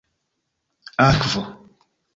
akvo